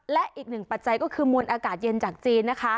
และอีกหนึ่งปัจจัยก็คือมวลอากาศเย็นจากจีนนะคะ